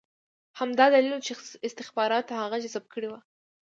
همدا دلیل و چې استخباراتو هغه جذب کړی و